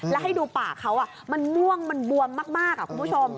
แล้วให้ดูปากเขามันม่วงมันบวมมากคุณผู้ชม